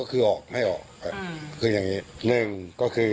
จุดก็คือไม่ออกคืออย่างนี้